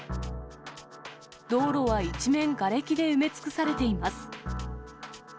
道路は一面がれきで埋め尽くされています。